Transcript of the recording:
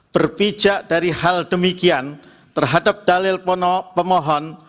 berpijak dari hal demikian terhadap dalil pemohon